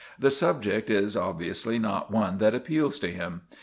The subject is obviously not one that appeals to him.